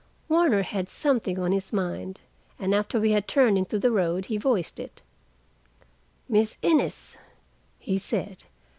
Warner had something on his mind, and after we had turned into the road, he voiced it. "Miss Innes," he said.